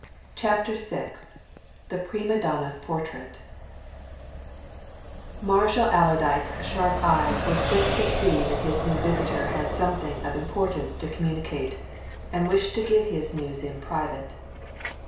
CHAPTER VI THE PRIMA DONNA'S PORTRAIT Marshall Allerdyke's sharp eyes were quick to see that his new visitor had something of importance to communicate and wished to give his news in private.